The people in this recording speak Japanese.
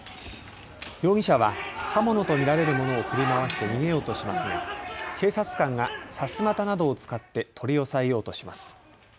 容疑者は刃物と見られるものを振り回して逃げようとしますが警察官が、さすまたなどを使って取り押さえようとします。